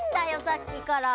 さっきから！